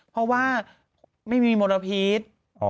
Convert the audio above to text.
เพราะว่าไม่มีมูตโปรพิต